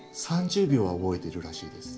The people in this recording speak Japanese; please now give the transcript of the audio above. ３０秒は覚えているらしいです。